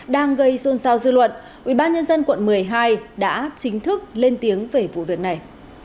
đang gây xôn xao dư luận ubnd quận một mươi hai đã chính thức lên tiếng về vụ việc này